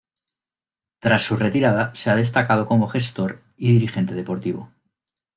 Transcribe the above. Tras su retirada se ha destacado como gestor y dirigente deportivo.